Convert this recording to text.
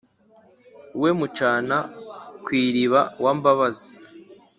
we mucana-ku iriba wa mbabazi,